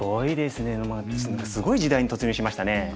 すごい時代に突入しましたね。